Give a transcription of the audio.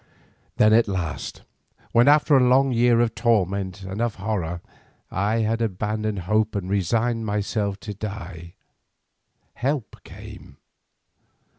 "Then at last, when after a long year of torment and of horror, I had abandoned hope and resigned myself to die, help came.